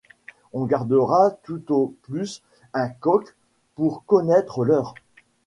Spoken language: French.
On gardera tout au plus un coq pour connaître l’heure.